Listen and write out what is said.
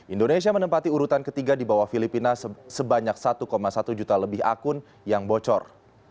indonesia menempati urutan ketiga di bawah filipina sebanyak satu satu juta lebih akun yang bocor